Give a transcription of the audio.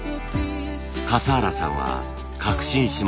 笠原さんは確信します。